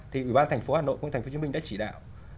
thì ủy ban tp hà nội tp hcm đã chỉ đạo